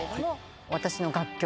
私の楽曲